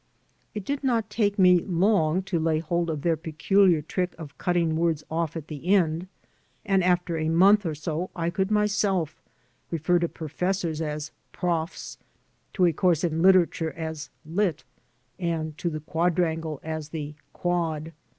It did not take me long to lay hold of their peculiar trick of cutting words oflf at the end, and after a month or so I could myself refer to professors as "profs," to a course in literature as "lit," and to the quadrangle as the "quad."